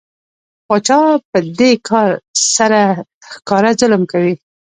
پاچا په دې کار سره ښکاره ظلم کوي.